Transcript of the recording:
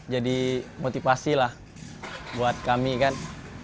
jadi motivasi lah buat kami kan